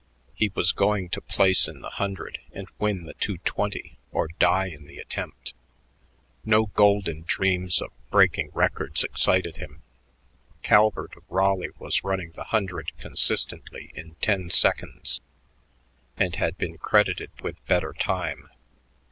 He was going to place in the hundred and win the two twenty or die in the attempt. No golden dreams of breaking records excited him. Calvert of Raleigh was running the hundred consistently in ten seconds and had been credited with better time.